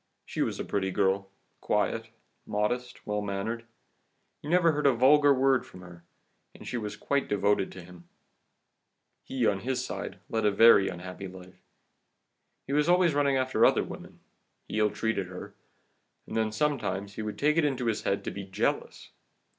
She was a pretty girl, quiet, modest, well mannered, you never heard a vulgar word from her, and she was quite devoted to him. He, on his side, led her a very unhappy life. He was always running after other women, he ill treated her, and then sometimes he would take it into his head to be jealous.